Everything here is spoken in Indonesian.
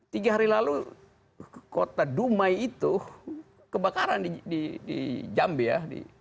tiga hari lalu kota dumai itu kebakaran di jambi ya